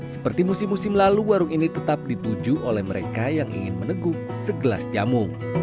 seperti musim musim lalu warung ini tetap dituju oleh mereka yang ingin meneguk segelas jamu